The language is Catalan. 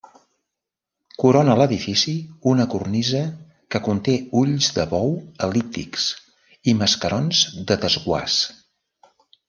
Corona l'edifici una cornisa que conté ulls de bou el·líptics i mascarons de desguàs.